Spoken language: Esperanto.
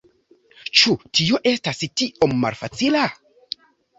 Ĉu tio estas tiom malfacila?